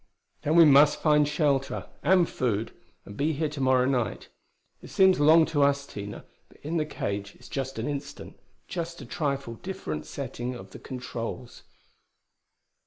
"Then we must find shelter, and food, and be here to morrow night. It seems long to us, Tina, but in the cage it's just an instant just a trifle different setting of the controls."